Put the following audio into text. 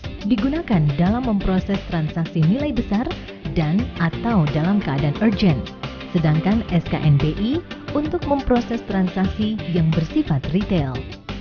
ini digunakan dalam memproses transaksi nilai besar dan atau dalam keadaan urgent sedangkan sknbi untuk memproses transaksi yang bersifat retail